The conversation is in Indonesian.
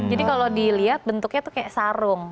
jadi kalau dilihat bentuknya tuh kayak sarung